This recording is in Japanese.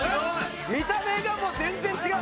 見た目がもう全然違うもんね。